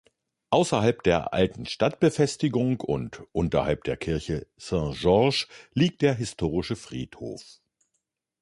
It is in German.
Außerhalb der alten Stadtbefestigung und unterhalb der Kirche Saint-Georges liegt der historische Friedhof.